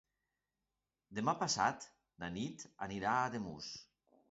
Demà passat na Nit anirà a Ademús.